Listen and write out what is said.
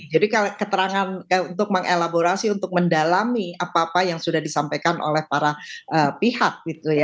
jadi keterangan untuk mengelaborasi untuk mendalami apa apa yang sudah disampaikan oleh para pihak